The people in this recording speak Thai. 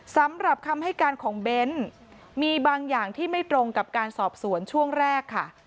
สำหรับคำให้การของเบ้นมีบางอย่างที่ไม่ตรงกับการสอบสวนช่วงแรกค่ะ